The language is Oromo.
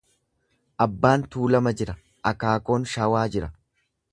Abbaan Tuulama jira, akaakoon Shawaa jira.